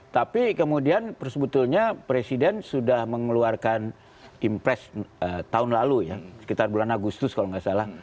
tapi kemudian sebetulnya presiden sudah mengeluarkan impress tahun lalu ya sekitar bulan agustus kalau nggak salah